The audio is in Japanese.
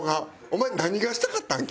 お前何がしたかったん？